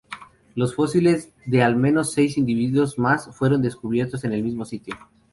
Los fósiles de al menos seis individuos más fueron descubiertos en el mismo sitio.